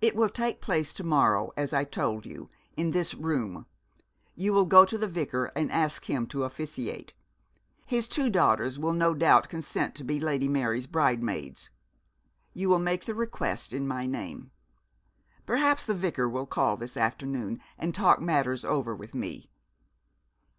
'It will take place to morrow, as I told you, in this room. You will go to the Vicar and ask him to officiate. His two daughters will no doubt consent to be Lady Mary's bridesmaids. You will make the request in my name. Perhaps the Vicar will call this afternoon and talk matters over with me.